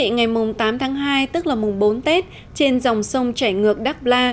ngày tám tháng hai tức là mùng bốn tết trên dòng sông chảy ngược đắk la